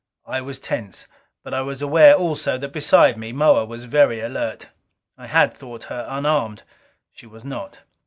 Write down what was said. I was tense. But I was aware also, that beside me Moa was very alert. I had thought her unarmed. She was not.